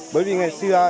bởi vì ngày xưa